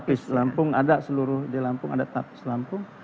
tapi lampung ada seluruh di lampung ada tapis lampung